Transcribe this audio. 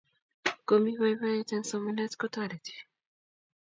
Komi boiboiyet eng somanet kotoreti